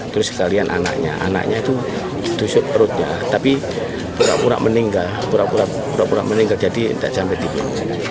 terus sekalian anaknya anaknya itu dusuk perutnya tapi pura pura meninggal pura pura meninggal jadi tak sampai tidur